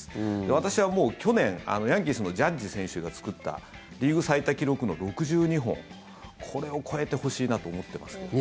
私はもう去年、ヤンキースのジャッジ選手が作ったリーグ最多記録の６２本これを超えてほしいなと思ってますけどね。